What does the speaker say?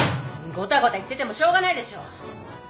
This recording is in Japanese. ごたごた言っててもしょうがないでしょ！